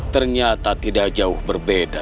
ternyata tidak jauh berbeda